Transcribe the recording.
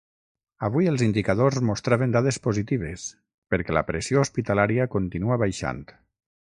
Avui, els indicadors mostraven dades positives, perquè la pressió hospitalària continua baixant.